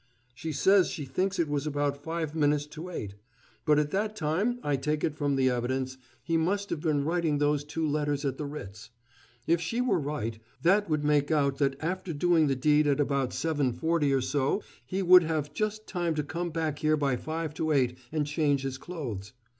"She says she thinks it was about five minutes to eight. But at that time, I take it from the evidence, he must have been writing those two letters at the Ritz. If she were right, that would make out that after doing the deed at about 7.40 or so, he would just have time to come back here by five to eight, and change his clothes.